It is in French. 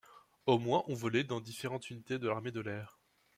Au moins ont volé dans différentes unités de l'armée de l'air.